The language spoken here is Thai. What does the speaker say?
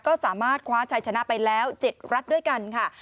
ก็สามารถคว้าชัยชนะไปแล้ว๗รัฐด้วยกันค่ะ